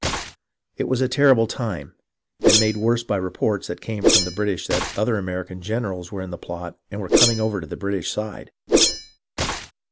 It was a terrible time, and made worse by reports that came from the British that other American generals were in the plot and were coming over to the British side.